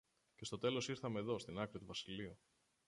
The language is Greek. και στο τέλος ήρθαμε δω, στην άκρη του βασιλείου